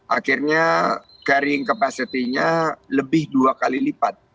akhirnya carrying capacity nya lebih dua kali lipat